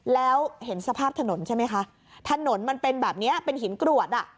แล้วเห็นสภาพถนนใช่ไหมคะถนนมันเป็นแบบนี้เป็นหินกรวดอ่ะ